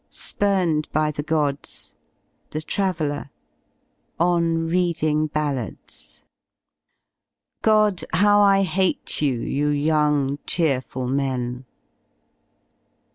§ Spurned by the gods. § The traveller. § On reading ballads. POEMS GOD! HOW I HATE YOU, YOU YOUNG CHEERFUL MEN!